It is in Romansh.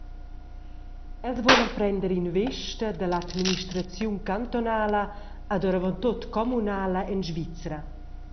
Els vulan prender investa dall’administraziun cantunala ed oravontut communala en Svizra.